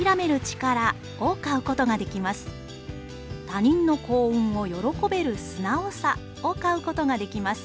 『他人の幸運を喜べる素直さ』を買うことができます。